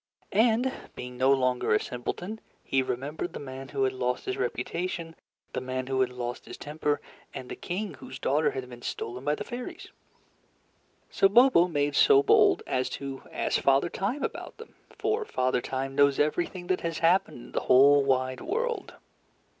And being no longer a simpleton, he remembered the man who had lost his reputation, the man who had lost his temper, and the king whose daughter had been stolen by the fairies. So Bobo made so bold as to ask Father Time about them, for Father Time knows everything that has happened in the whole wide world.